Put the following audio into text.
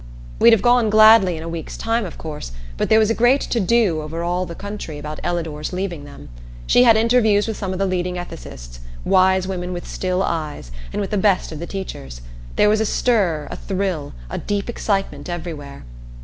We'd have gone gladly in a week's time, of course, but there was a great to do all over the country about Ellador's leaving them. She had interviews with some of the leading ethicists wise women with still eyes, and with the best of the teachers. There was a stir, a thrill, a deep excitement everywhere.